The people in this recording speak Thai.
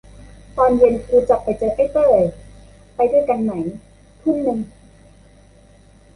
ตอนเย็นกูจะไปเจอไอ้เต้ย ไปด้วยกันไหม ทุ่มนึง